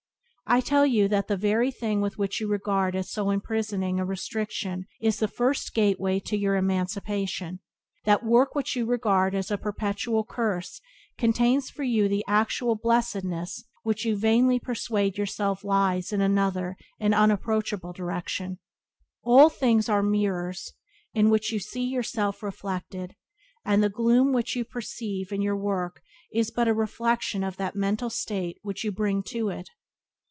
I tell you that that very thing which you regard as so imprisoning a restriction is the first gateway to your emancipation; that work which you regard as a perpetual curse contains for you the actual blessedness which you vainly persuade yourself lies in another and unapproachable direction. All things are mirrors in which you see yourself reflected, and the gloom which you perceive in your work is but a reflection of that mental state which you bring to it.